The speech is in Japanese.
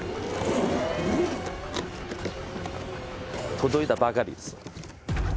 届いたばかりです。